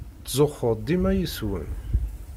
Ttzuxxuɣ dima yes-wen.